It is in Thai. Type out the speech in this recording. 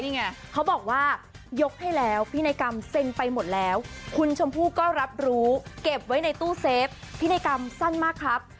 นี่ไงเขาบอกว่ายกให้แล้วพินัยกรรมเซ็นไปหมดแล้วคุณชมพู่ก็รับรู้เก็บไว้ในตู้เซฟพินัยกรรมสั้นมากครับ